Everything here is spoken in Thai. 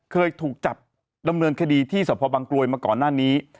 เคยถูกจับดำเนินคดีที่สพบังกลวยมาก่อนหน้านี้